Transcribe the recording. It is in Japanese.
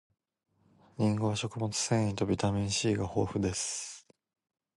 りんごは食物繊維とビタミン C が豊富です